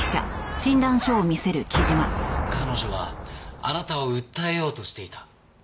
彼女はあなたを訴えようとしていた。